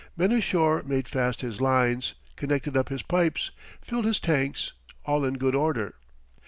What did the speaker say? Men ashore made fast his lines, connected up his pipes, filled his tanks all in good order.